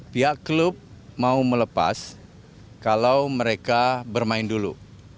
pihak klub mau melepas kalau mereka bermain dulu